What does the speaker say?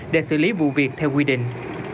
để xử lý vụ việc theo quy định